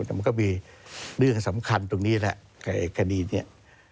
แต่มันก็มีเรื่องสำคัญตรงนี้แหละกับคดีนี้